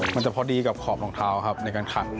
มันจะพอดีกับขอบรองเท้าครับในการขัด